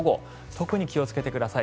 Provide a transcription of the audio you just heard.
特に気を付けてください。